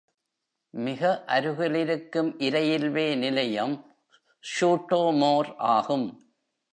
மிக அருகிலிருக்கும் இரயில்வே நிலையம் சூட்டோமோர் ஆகும்.